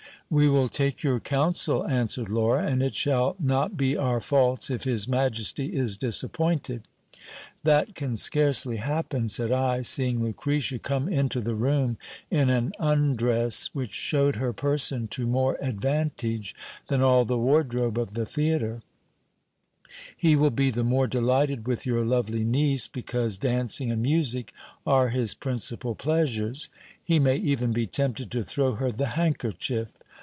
We will take your counsel, answered Laura, and it shall not be our faults if his majesty is disappointed. That can scarcely happen, said I, seeing Lucretia come into the room in an undress, which shewed her person to more advantage than all the wardrobe of the theatre : he will be the more delighted with your lovely niece, because dancing and music are his prin cipal pleasures : he may even be tempted to throw her the handkerchief.